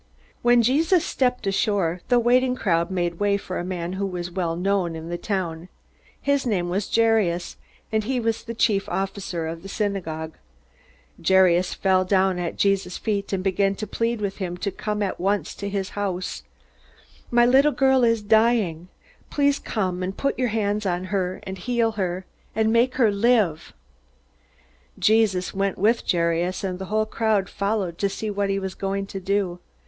When Jesus stepped ashore, the waiting crowd made way for a man who was well known in the town. His name was Jairus, and he was the chief officer of the synagogue. Jairus fell down at Jesus' feet and began to plead with him to come to his house at once: "My little girl is dying. Please come and put your hands on her, and heal her, and make her live!" Jesus went with Jairus, and the whole crowd followed to see what he was going to do.